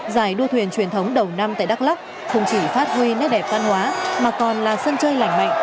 giải đua thuyền truyền thống đầu năm tại đắk lắc không chỉ phát huy nét đẹp văn hóa mà còn là sân chơi lành mạnh